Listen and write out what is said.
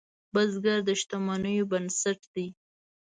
بزګر د شتمنیو بنسټ دی